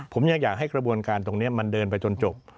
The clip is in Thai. ผมยังอยากให้กระบวนการตรงนี้มันเดินไปจนจบ